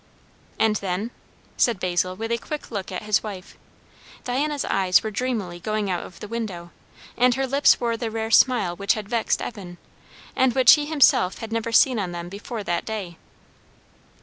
"And then?" said Basil with a quick look at his wife. Diana's eyes were dreamily going out of the window, and her lips wore the rare smile which had vexed Evan, and which he himself had never seen on them before that day.